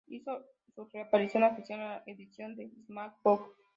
Hizo su reaparición oficial en la edición de Smackdown!